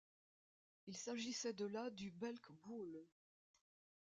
Il s'agissait de la du Belk Bowl.